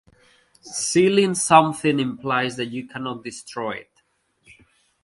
Sealing something implies that you cannot destroy it.